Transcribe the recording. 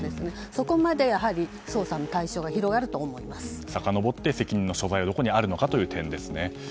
そこまで捜査の対象がさかのぼって責任の所在がどこにあるのかという点ですね。